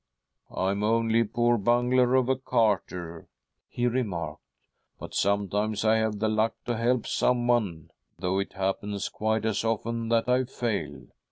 " I am only a poor bungler of a carter," he remarked, " but sometimes I have the luck to help someone — though it happens quite as often that I fail.